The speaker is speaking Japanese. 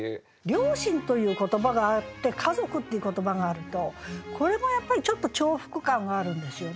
「両親」という言葉があって「家族」っていう言葉があるとこれもやっぱりちょっと重複感があるんですよね。